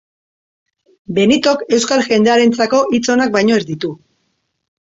Benitok euskal jendearentzako hitz onak baino ez ditu.